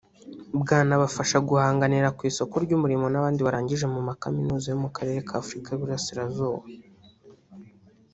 bwanabafasha guhanganira ku isoko ry’umurimo n’abandi barangije mu makaminuza yo mu karere ka Afurika y’Iburasirazuba